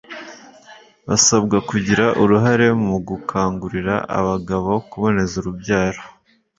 busabwa kugira uruhare mu gukangurira abagabo kuboneza urubyaro